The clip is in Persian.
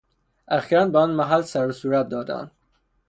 اخیرا به آن محل سر و صورت دادهاند.